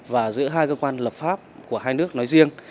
và giữa hai cơ quan lập pháp của hai nước nói riêng